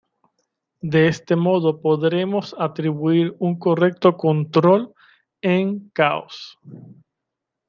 De este modo podremos atribuir un correcto control en caos"'.